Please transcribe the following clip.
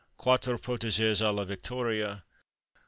_ Quatre Potages à la Victoria.